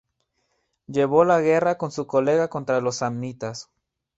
Llevó la guerra con su colega contra los samnitas.